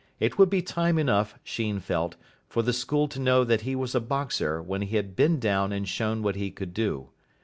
It would be time enough, Sheen felt, for the School to know that he was a boxer when he had been down and shown what he could do.